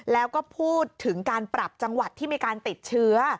แล้วก็พูดถึงการปรับจังหวัดที่มีการติดเชื้อ